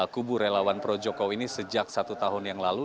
kubu relawan projoko ini sejak satu tahun yang lalu